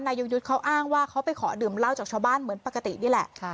ยงยุทธ์เขาอ้างว่าเขาไปขอดื่มเหล้าจากชาวบ้านเหมือนปกตินี่แหละ